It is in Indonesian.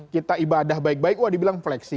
kita ibadah baik baik wah dibilang flexing